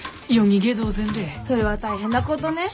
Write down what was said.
それは大変なことね。